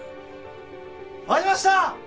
ありました！